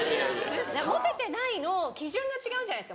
「モテてない」の基準が違うんじゃないですか？